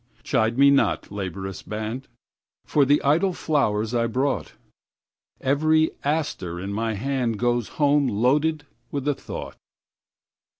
Chide me not, laborious band, For the idle flowers I brought; Every aster in my handGoes home loaded with a thought.